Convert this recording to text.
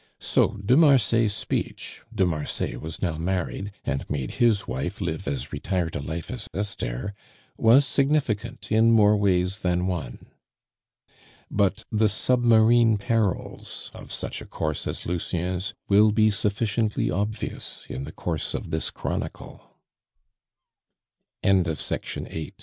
So de Marsay's speech de Marsay was now married, and made his wife live as retired a life as Esther was significant in more ways that one. But the submarine perils of such a course as Lucien's will be sufficiently obvious in the course of this chronicle. Matters were in this po